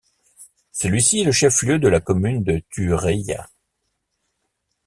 Celui-ci est le chef-lieu de la commune de Tureia.